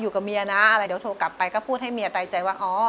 เดี๋ยวโทรกลับไปก็พูดให้เมียใต้ใจว่า